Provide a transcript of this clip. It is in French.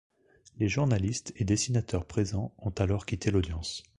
Les journalistes et dessinateurs présents ont alors quitté l'audience.